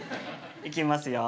いきますよ。